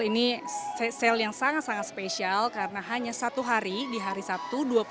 ini sale yang sangat sangat spesial karena hanya satu hari di hari sabtu